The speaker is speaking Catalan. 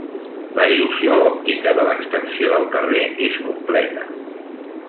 La il·lusió òptica de l'extensió del carrer és completa.